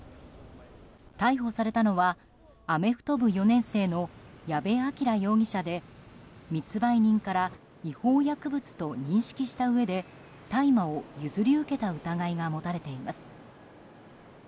逮捕されたのはアメフト部４年生の矢部鑑羅容疑者で密売人から違法薬物と認識したうえで大麻を譲り受けた疑いが持たれています。